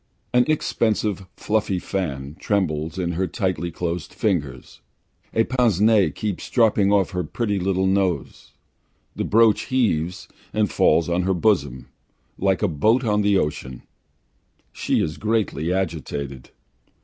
An expensive fluffy fan trembles in her tightly closed fingers, a pince nez keeps dropping off her pretty little nose, the brooch heaves and falls on her bosom, like a boat on the ocean. She is greatly agitated.